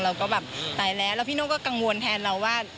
เราก็แบบตายแล้วแล้วพี่โน่ก็กังวลแทนเราว่า